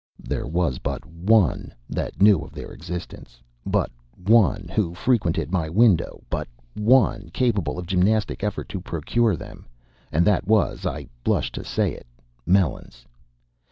There was but one that knew of their existence, but one who frequented my window, but one capable of gymnastic effort to procure them, and that was I blush to say it Melons.